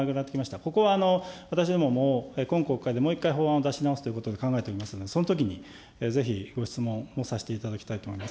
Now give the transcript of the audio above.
ここは私どもも今国会でもう一回法案を出し直すことを考えていますので、そのときにぜひご質問をさせていただきたいと思います。